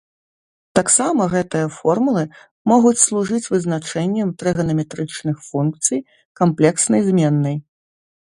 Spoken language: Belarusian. Таксама гэтыя формулы могуць служыць вызначэннем трыганаметрычных функцый камплекснай зменнай.